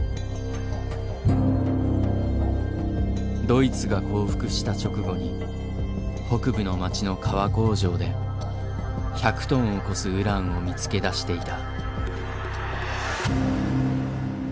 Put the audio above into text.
ドイツが降伏した直後に北部の町の革工場で１００トンを超すウランを見つけ出していた。